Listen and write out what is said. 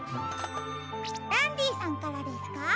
ダンディさんからですか？